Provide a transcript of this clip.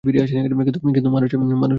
কিন্তু মানুষ কাঁচা মালমসলা।